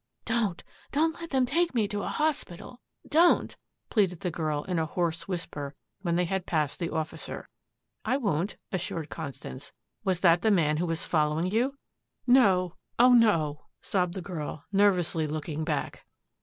"Don't, don't let them take me to a hospital don't," pleaded the girl in a hoarse whisper when they had passed the officer. "I won't," reassured Constance. "Was that the man who was following you?" "No oh, no," sobbed the girl nervously looking back.